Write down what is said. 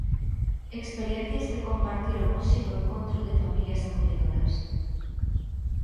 Experiencias que compartiron hoxe no Encontro de Familias Acolledoras.